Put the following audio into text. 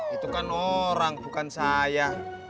itu kan orang bukan saya